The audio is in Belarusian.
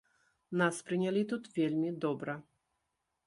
Нас прынялі тут вельмі добра.